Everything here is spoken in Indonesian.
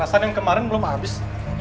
rasanya yang kemarin belum habis